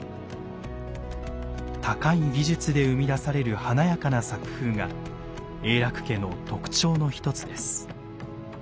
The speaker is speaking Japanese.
高い技術で生み出される華やかな作風が永樂家の特徴の一つです。